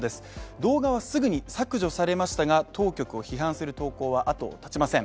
動画はすぐに削除されましたが当局を批判する投稿は後を絶ちません。